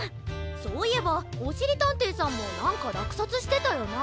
そういえばおしりたんていさんもなんからくさつしてたよな。